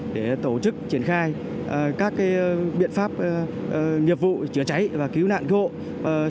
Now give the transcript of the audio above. để tổ chức triển khai các biện pháp nghiệp vụ chữa cháy và cứu nạn cơ hội